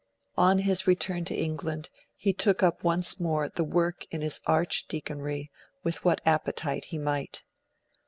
On his return to England, he took up once more the work in his Archdeaconry with what appetite he might.